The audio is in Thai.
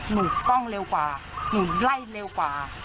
ถูกต้องเร็วกว่าหนูไล่เร็วกว่า